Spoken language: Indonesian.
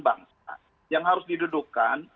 bangsa yang harus didudukan